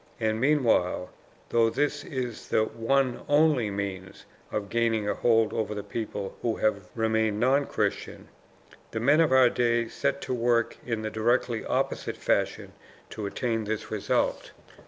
And meanwhile, though this is the ONE ONLY MEANS of gaining a hold over the people who have remained non Christian, the men of our day set to work in the directly opposite fashion to attain this result.